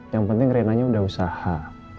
yang penting renanya udah usaha